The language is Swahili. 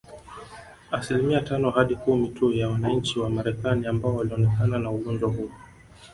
Asilimia tano hadi kumi tu ya wananchi wa Marekani ambao walionekana na ugonjwa huo